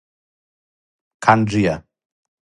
канџија